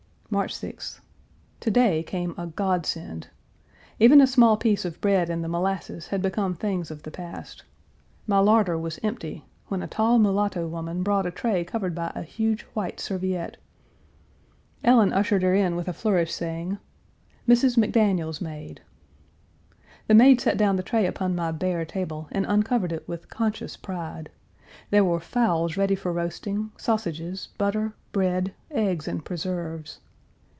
March 6th. To day came a godsend. Even a small piece of bread and the molasses had become things of the past. My larder was empty, when a tall mulatto woman brought a tray covered by a huge white serviette. Ellen ushered her in with a flourish, saying, "Mrs. McDaniel's maid." The maid set down the tray upon my bare table, and uncovered it with conscious pride. There were fowls ready for roasting, sausages, butter, bread, eggs, and preserves.